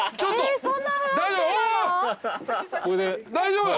大丈夫。